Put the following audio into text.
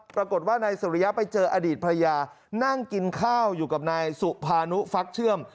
ปรากฏว่านายสุริยะไปเจออดีตภรรยานั่งกินข้าวอยู่กับนายสุภานุฟักเชื่อม